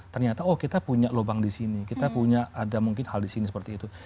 ternyata oh kita punya lubang di sini kita punya ada mungkin hal di sini seperti itu